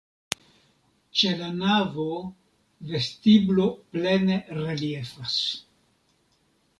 Ĉe la navo vestiblo plene reliefas.